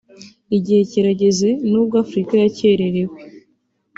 Igihe kirageze nubwo Afurika yakererewe